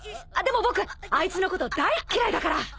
あっでも僕あいつのこと大っ嫌いだから。